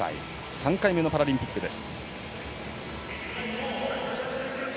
３回目のパラリンピックです。